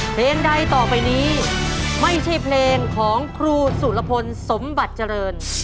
เพลงใดต่อไปนี้ไม่ใช่เพลงของครูสุรพลสมบัติเจริญ